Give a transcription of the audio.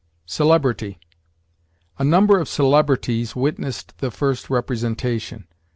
CELEBRITY. "A number of celebrities witnessed the first representation."